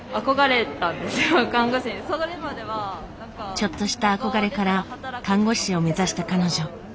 ちょっとした憧れから看護師を目指した彼女。